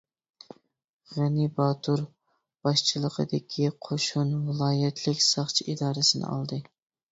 غېنى باتۇر باشچىلىقىدىكى قوشۇن ۋىلايەتلىك ساقچى ئىدارىسىنى ئالدى.